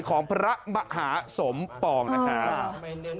ของพระมหาสมปองนะครับ